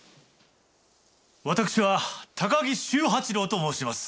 私は高木宗八郎と申します。